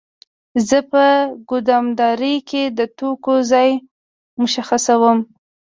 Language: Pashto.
زه په ګدامدارۍ کې د توکو ځای مشخصوم.